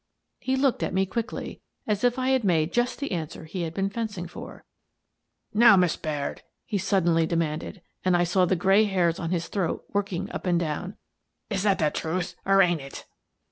He looked at me quickly, as if I had made just the answer he had been fencing for. " Now, Miss Baird," he suddenly demanded, — and I saw the gray hairs on his throat working up and down, —" is that the truth or ain't it